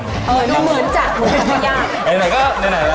เหมือนจักร